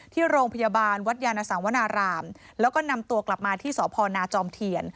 ที่โรงพยาบาลวัดยานสังวนารามแล้วก็นำตัวกลับมาที่สพนาจอมเทียน